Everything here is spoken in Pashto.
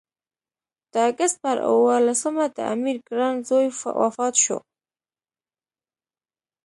د اګست پر اووه لسمه د امیر ګران زوی وفات شو.